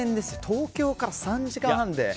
東京から３時間半で。